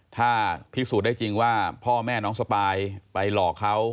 ถ้าพิสูจน์ได้จริงว่าพ่อแม่น้องสปายไปหลอกเขา